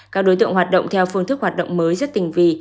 các đối tượng hoạt động theo phương thức hoạt động mới rất tình vị